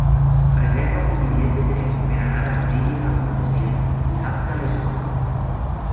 Reserva'm un bitllet de tren per anar a Algímia d'Almonesir dissabte a les nou.